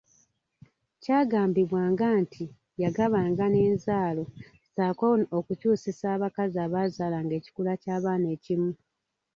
Kyagambibwanga nti yagabanga n'enzaalo ssaako okukyusiza abakazi abaazaalanga ekikula ky'abaana ekimu.